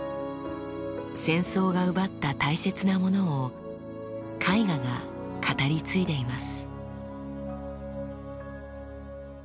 戦争が奪った大切なものを絵画が語り継いでいます。